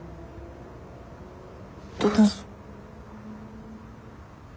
どうぞ。